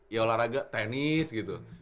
ya olahraga tenis gitu